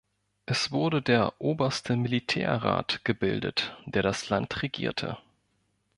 Es wurde der Oberste Militärrat gebildet, der das Land regierte.